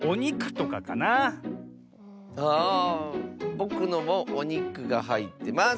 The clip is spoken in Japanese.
ぼくのもおにくがはいってます！